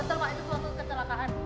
apa betul pak itu suatu kecelakaan